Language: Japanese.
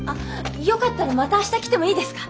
よかったらまた明日来てもいいですか？